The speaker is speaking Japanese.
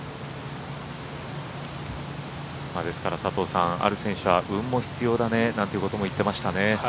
ですから佐藤さん、ある選手は運も必要だねなんてことを言っていましたね。